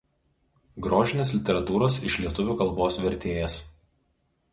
Grožinės literatūros iš lietuvių kalbos vertėjas.